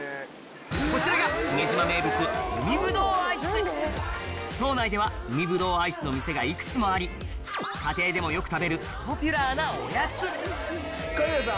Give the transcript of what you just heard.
こちらが久米島名物島内では海ぶどうアイスの店がいくつもあり家庭でもよく食べるポピュラーなおやつ香里奈さん